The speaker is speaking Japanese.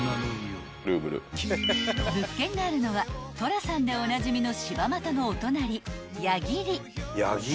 ［物件があるのは寅さんでおなじみの］